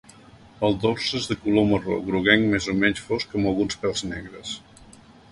El dors és de color marró groguenc més o menys fosc amb alguns pèls negres.